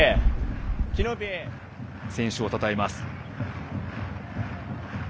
選手をたたえます。